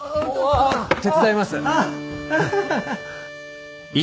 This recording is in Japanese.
あ手伝います。